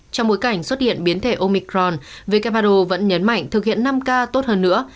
trong bối cảnh xuất hiện biến thể omicron who vẫn nhấn mạnh thực hiện năm k tốt hơn nữa